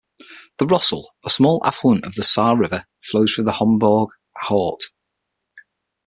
The Rossell a small affluent of the Saar River flows through Hombourg-Haut.